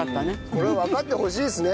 これはわかってほしいですね